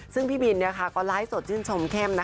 ซึ่งพี่บินก็ไลฟ์สดชื่นชมเข้ม